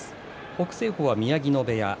北青鵬は宮城野部屋